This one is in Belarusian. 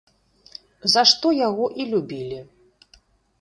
За што яго і любілі.